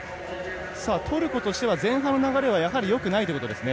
トルコとしては前半の流れが良くないということですね。